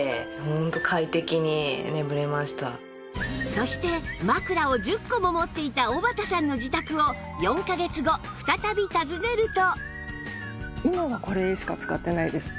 そして枕を１０個も持っていたおばたさんの自宅を４カ月後再び訪ねると